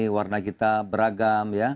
warna kita beragam